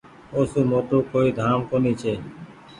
او سون موٽو ڪوئي ڌآم ڪونيٚ ڇي۔